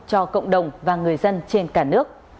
cho cộng đồng và người dân trên cả nước